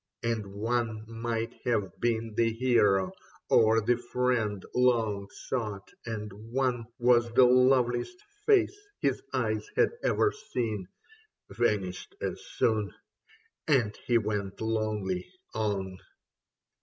And one might have been The hero or the friend long sought, and one Was the loveliest face his eyes had ever seen, (Vanished as soon) and he went lonely on.